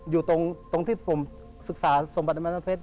อยู่ตรงที่ผมศึกษาสมบัติมันน้ำเพชร